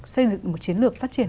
xây dựng được một chiến lược phát triển